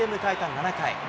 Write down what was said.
７回。